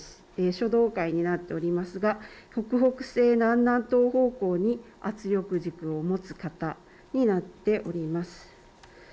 初動解になっておりますが、北北西南南東方向に圧力軸を持つ型になっております。